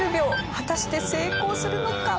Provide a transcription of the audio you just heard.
果たして成功するのか？